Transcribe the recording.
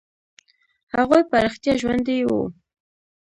هغوى په رښتيا ژوندي وو.